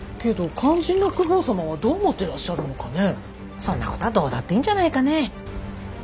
そんなこたどうだっていいんじゃないかねぇ。